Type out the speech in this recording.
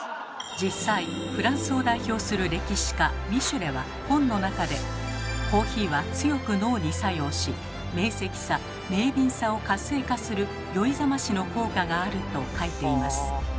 実際フランスを代表する歴史家ミシュレは本の中で「コーヒーは強く脳に作用し明晰さ明敏さを活性化する酔いざましの効果がある」と書いています。